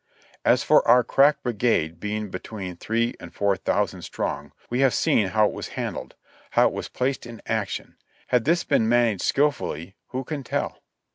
As for our crack brigade between three and four thousand strong, we have seen how it was handled ; how it was placed in action; had this been managed skilfully — who can tell?